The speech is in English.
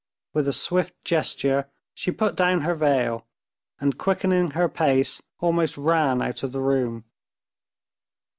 With a swift gesture she put down her veil, and, quickening her pace, almost ran out of the room.